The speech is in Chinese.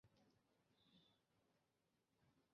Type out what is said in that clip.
中国现代诗人。